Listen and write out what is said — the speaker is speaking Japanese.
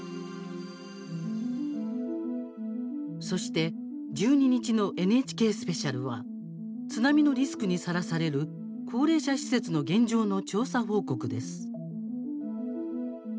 そして、１２日の「ＮＨＫスペシャル」は津波のリスクにさらされる高齢者施設の現状の調査報告です。